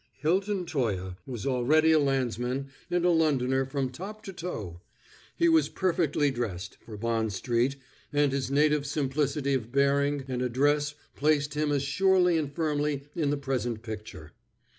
Hilton Toye was already a landsman and a Londoner from top to toe. He was perfectly dressed for Bond Street and his native simplicity of bearing and address placed him as surely and firmly in the present picture.